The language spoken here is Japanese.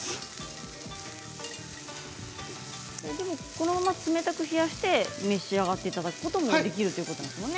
このまま冷やして召し上がっていただくこともできるんですね。